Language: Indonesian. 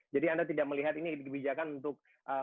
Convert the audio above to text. jadi anda tidak melihat ini kebijakan untuk